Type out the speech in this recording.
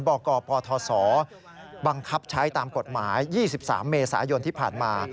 กกปทศบังคับใช้ตามกฎหมาย๒๓เมษายนที่ผ่านมา